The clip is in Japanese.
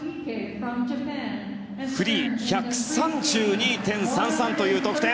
フリー１３２．３３という得点。